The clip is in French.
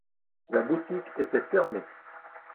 La boutique était fermée.